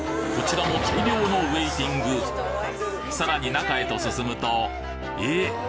こちらも大量のウェイティングさらに中へと進むとえ！